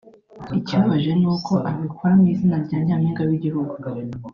ikibabaje ni uko abikora mu izina rya Nyampinga w’igihugu